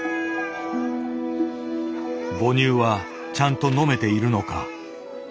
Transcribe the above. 母乳はちゃんと飲めているのか。